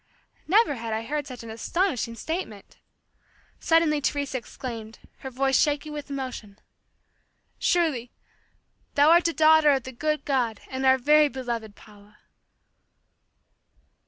Never had I heard such an astonishing statement. Suddenly Teresa exclaimed, her voice shaking with emotion, "Surely, thou art a daughter of the good God and our very beloved Paula!"